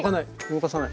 動かさない。